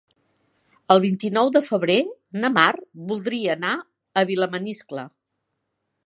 El vint-i-nou de febrer na Mar voldria anar a Vilamaniscle.